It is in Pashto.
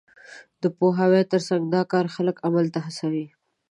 د پوهاوي تر څنګ، دا کار خلک عمل ته هڅوي.